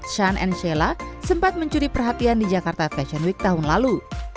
shan dan sheila sempat mencuri perhatian di jakarta fashion week tahun lalu